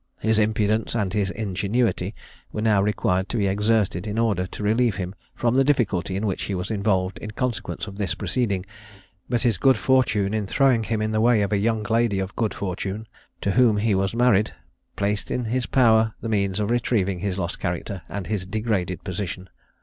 His impudence and his ingenuity were now required to be exerted in order to relieve him from the difficulty in which he was involved in consequence of this proceeding, but his good fortune in throwing him in the way of a young lady of good fortune, to whom he was married, placed in his power the means of retrieving his lost character and his degraded position.